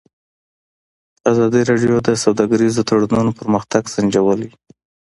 ازادي راډیو د سوداګریز تړونونه پرمختګ سنجولی.